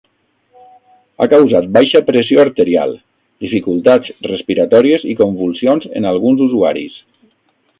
Ha causat baixa pressió arterial, dificultats respiratòries i convulsions en alguns usuaris.